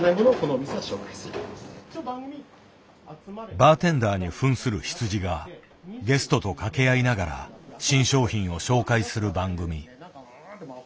バーテンダーに扮する羊がゲストと掛け合いながら新商品を紹介する番組。